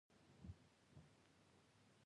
په لومړي سر کې تصور نه شو کولای.